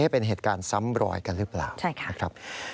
เป็นเหตุการณ์ซ้ำรอยกันหรือเปล่านะครับ